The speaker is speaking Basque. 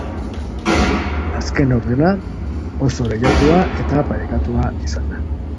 Azken laurdena oso lehiatua eta parekatua izan da.